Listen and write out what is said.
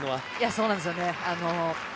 そうなんですよね。